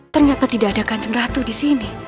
ternyata tidak ada kanceng ratu disini